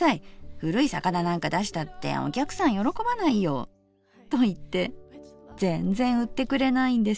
古い魚なんか出したってお客さん喜ばないよ』と言ってぜんぜん売ってくれないんです。